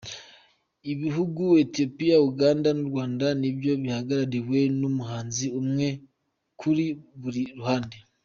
Ibihugu Ethiopia, Uganda n’u Rwanda nibyo bihagarariwe n’umuhanzi umwe kuri buri ruhande.